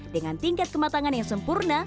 dengan tingkat kematangan yang sempurna